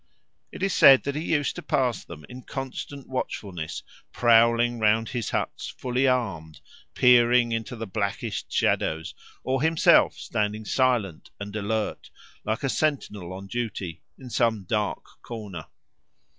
It is said that he used to pass them in constant watchfulness, prowling round his huts fully armed, peering into the blackest shadows, or himself standing silent and alert, like a sentinel on duty, in some dark corner.